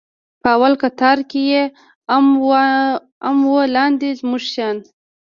په اول کتار کښې يې ام و لاندې زموږ شيان.